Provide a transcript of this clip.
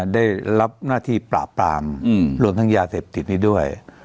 ได้รับหน้าที่ปราบปรามรวมทั้งยาเสพติดนี้ด้วย